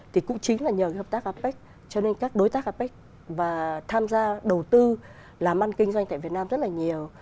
thì cũng chính là nhờ cái hợp tác apec cho nên các đối tác apec và tham gia đầu tư làm ăn kinh doanh tại việt nam rất là nhiều